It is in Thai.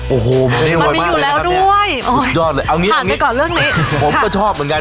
โอ้โหมันมีอยู่แล้วด้วยโอ้สุดยอดเลยเอางี้ถามกันก่อนเรื่องนี้ผมก็ชอบเหมือนกัน